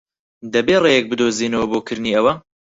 دەبێت ڕێیەک بدۆزینەوە بۆ کردنی ئەوە.